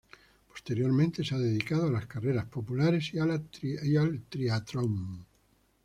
Posteriormente se ha dedicado a las carreras populares y al triatlón.